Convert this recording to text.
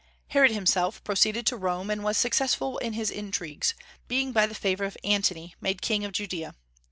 Herod himself proceeded to Rome, and was successful in his intrigues, being by the favor of Antony made king of Judaea.